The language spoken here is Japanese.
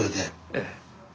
ええ。